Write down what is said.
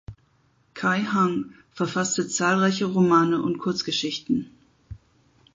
Khai Hung verfasste zahlreiche Romane und Kurzgeschichten.